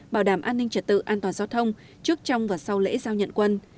bảo đảm an ninh trật tự an toàn giao thông trước trong và sau lễ giao nhận quân